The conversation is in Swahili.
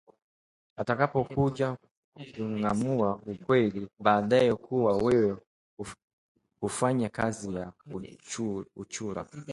Atakapokuja kuung’amua ukweli baadaye kuwa wewe hufanya kazi ya uchura